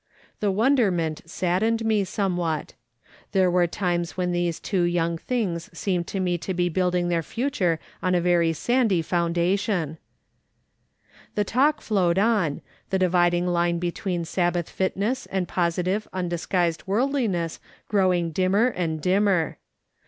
Tlie wonderment saddened me somewhat. There l2 148 MRS. SOLOMON SMITH LOOKING ON. were times when these two young things seemed to me to be building their future on a very sandy foundation. The talk flowed on, the dividing line between Sabbath fitness and positive, undisguised worldliness growing dimmer and dimmer.